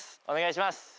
お願いします。